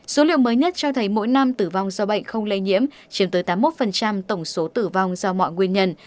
số liệu mới nhất cho thấy mỗi năm tử vong do bệnh không lây nhiễm chiếm tới tám mươi một tổng số tử vong do mọi nguyên nhân